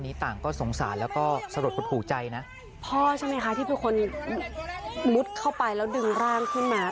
อีกครั้งหนึ่ง